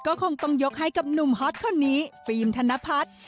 ก็คงต้องยกให้กับหนุ่มฮอตคนนี้ฟิล์มธนพัฒน์